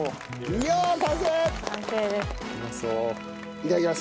いただきます。